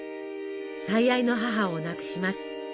最愛の母を亡くします。